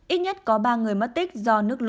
ít nhất có ba người mất tích do nước lũ